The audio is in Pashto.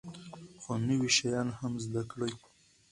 خو نوي شیان هم زده کړئ.